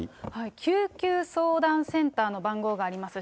救急相談センターの番号があります。